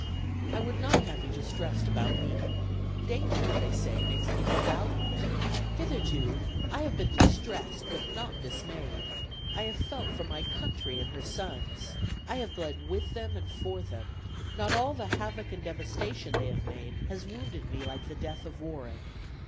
"I would not have you distressed about me. Danger, they say, makes people valiant. Hitherto I have been distressed, but not dismayed. I have felt for my country and her sons. I have bled with them and for them. Not all the havoc and devastation they have made has wounded me like the death of Warren.